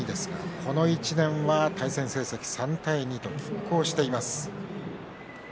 この１年は対戦成績３対２と、きっ抗しています。